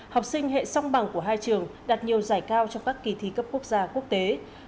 học sinh hệ song bằng của hai trường đạt nhiều giải cao trong các kỳ thi cấp quốc gia quốc tế